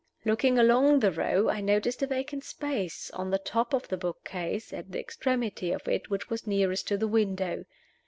Looking along the row, I noticed a vacant space on the top of the bookcase at the extremity of it which was nearest to the window.